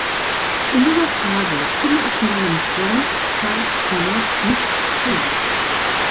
In dieser Frage stimme ich meinem Freund Charles Tannock nicht zu.